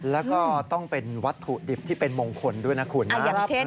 แล้วก็ต้องเป็นวัตถุดิบที่เป็นมงคลด้วยนะคุณนะ